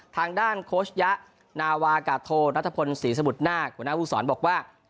ทางด้านโคชยะนาวากาโทนัทพลศรีสมุทรนาคหัวหน้าผู้สอนบอกว่า